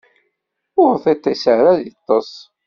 Ur tiṭ-is ara ad iṭṭes.